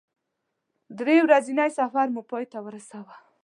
درې ورځنی سفر مو پای ته ورساوه.